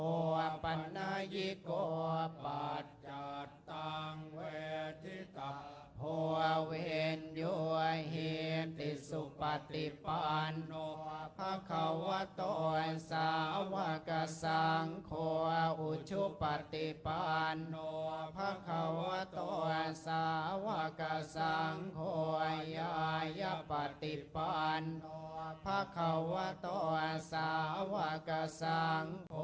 โออัพนายิโกปัจจัตตังเวทิตัพโภวินโยฮิติสุปัตติปันโนพะเขาโตสาวคสังโคออุชุปัตติปันโนพะเขาโตสาวคสังโคอยายปัตติปันโนพะเขาโตสาวคสังโคออุชุปัตติปันโนพะเขาโตสาวคสังโค